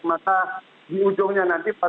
maka di ujungnya nanti